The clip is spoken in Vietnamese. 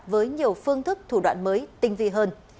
với nhiều phương thức thủ đoạn mới tinh vi hơn